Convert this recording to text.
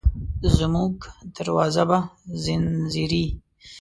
زموږ دروازه به ځینځېرې،